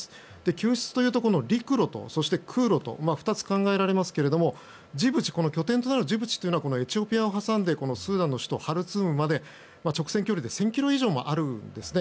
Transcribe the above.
救出というと、陸路と空路と２つ考えられますが拠点となるジブチはエチオピアを挟んでスーダンの首都ハルツームまで直線距離で１０００ｋｍ以上もあるんですね